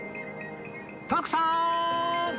徳さーん！